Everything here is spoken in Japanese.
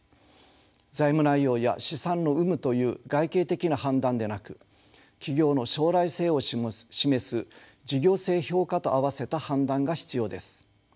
財務内容や資産の有無という外形的な判断でなく企業の将来性を示す事業性評価とあわせた判断が必要です。